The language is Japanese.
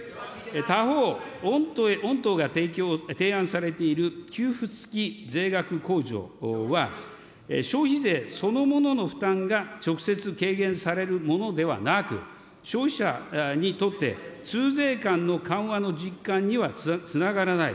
他方、御党が提案されている給付つき税額控除は、消費税そのものの負担が直接軽減されるものではなく、消費者にとって痛税感の緩和の実感にはつながらない。